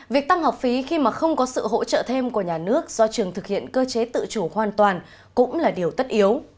việc tăng học phí khi mà không có sự hỗ trợ thêm của nhà nước do trường thực hiện cơ chế tự chủ hoàn toàn cũng là điều tất yếu